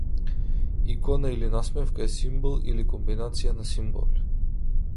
Икона или насмевка е симбол или комбинација на симболи.